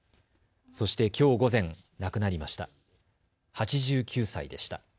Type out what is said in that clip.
そしてきょう午前亡くなりました。